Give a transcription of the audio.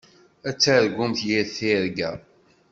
Ad targumt yir tirga.